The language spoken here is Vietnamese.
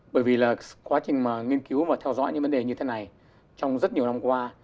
bởi vì là quá trình nghiên cứu và theo dõi những vấn đề như thế này trong rất nhiều năm qua